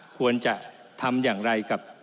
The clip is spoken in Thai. ควรจะทำอย่างไรกับ